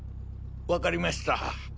わかりました。